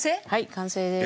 完成です。